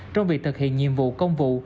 trong việc thực hiện nhiệm vụ công vụ